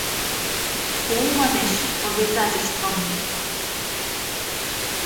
— Пу — манеш, — обязательствым!